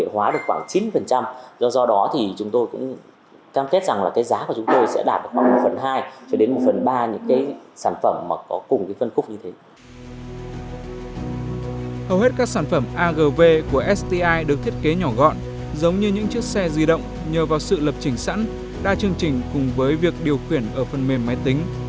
hầu hết các sản phẩm agv của sti được thiết kế nhỏ gọn giống như những chiếc xe di động nhờ vào sự lập trình sẵn đa chương trình cùng với việc điều khiển ở phần mềm máy tính